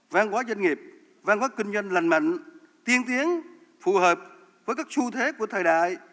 văn hóa doanh nghiệp văn hóa kinh doanh lành mạnh tiên tiến phù hợp với các xu thế của thời đại